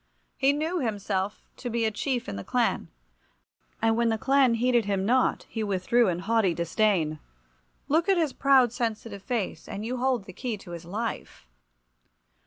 He knew himself to be a chief in the clan, and when the clan heeded him not he withdrew in haughty disdain. Look at his proud, sensitive face and you hold the key to his life.